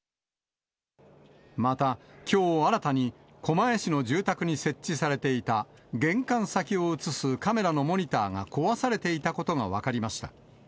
また、きょう新たに狛江市の住宅に設置されていた玄関先を写すカメラのモニターが壊されていたことが分かりました。